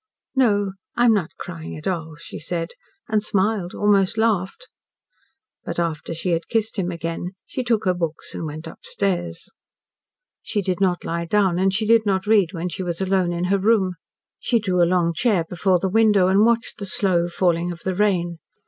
"No, I am not crying at all," she said, and smiled almost laughed. But after she had kissed him again she took her books and went upstairs. She did not lie down, and she did not read when she was alone in her room. She drew a long chair before the window and watched the slow falling of the rain.